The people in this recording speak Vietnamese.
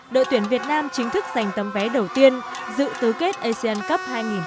đội tuyển việt nam chính thức giành tấm vé đầu tiên dự tứ kết asean cup hai nghìn một mươi chín